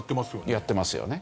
やってますよね。